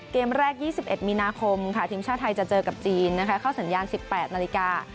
เกมแรก๒๑มีนาคมค่ะทีมชาติไทยจะเจอกับจีนนะคะเข้าสัญญาณ๑๘นาฬิกา